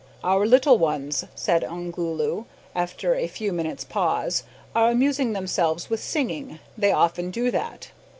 "Our little ones," said Ongoloo, after a few minutes' pause, "are amusing themselves with singing. They often do that."